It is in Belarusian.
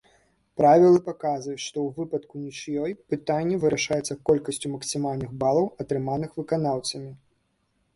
Правілы паказваюць, што ў выпадку нічыёй, пытанне вырашаецца колькасцю максімальных балаў, атрыманых выканаўцамі.